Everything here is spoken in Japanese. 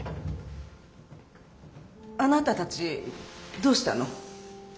あなたたちどうしたの？